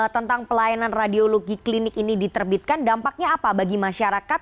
tentang pelayanan radiologi klinik ini diterbitkan dampaknya apa bagi masyarakat